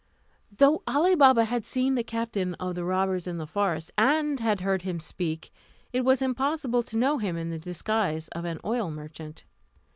Though Ali Baba had seen the captain of the robbers in the forest, and had heard him speak, it was impossible to know him in the disguise of an oil merchant.